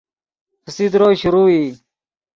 فسیدرو شروع ای